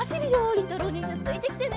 りんたろうにんじゃついてきてね。